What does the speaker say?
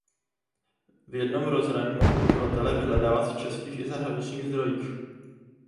V jednom rozhraní mohou uživatelé vyhledávat v českých i zahraničních zdrojích.